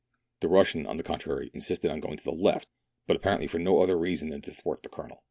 The Russian, on the contrary, insisted on going to the left, but apparently for no other reason than to thwart the Colonel.